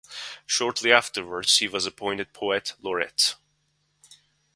Shortly afterwards he was appointed Poet Laureate.